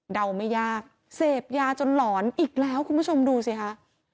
ไม่ยากเสพยาจนหลอนอีกแล้วคุณผู้ชมดูสิคะ